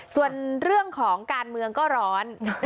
ส่วนเรื่องของการเมืองก็ร้อน